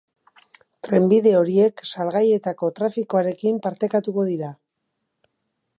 Trenbide horiek salgaietako trafikoarekin partekatuko dira.